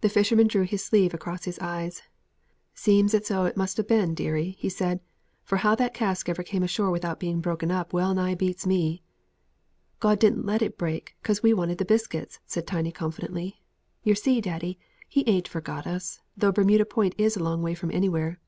The fisherman drew his sleeve across his eyes. "Seems as though it must ha' been, deary," he said; "for how that cask ever came ashore without being broken up well nigh beats me." "God didn't let it break, 'cos we wanted the biscuits," said Tiny confidently; "yer see, daddy, He ain't forgot us, though Bermuda Point is a long way from anywhere."